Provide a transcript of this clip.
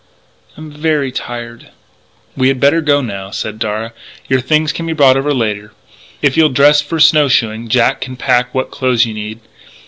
I'm very tired." "We had better go now," said Darragh. "Your things can be brought over later. If you'll dress for snow shoeing, Jack can pack what clothes you need....